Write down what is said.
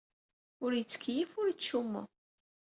Ur yettkeyyif, ur yettcummu.